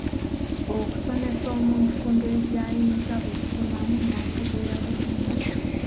Okusomesa omuntu ku ngeri gy'ayinza okusomamu n'ategeera bulungi .